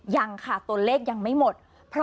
ยังค่ะตัวเลขยังไม่หมด